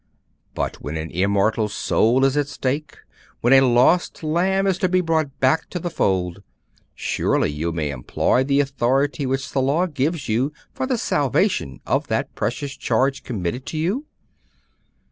But when an immortal soul is at stake when a lost lamb is to be brought back to the fold surely you may employ the authority which the law gives you for the salvation of that precious charge committed to you?